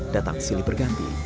datang silih berganti